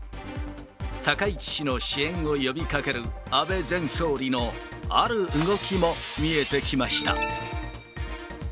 高市氏の支援を呼びかける安倍前総理のある動きも見えてきました。